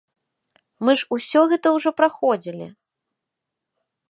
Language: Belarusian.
Мы ж усё гэта ўжо праходзілі!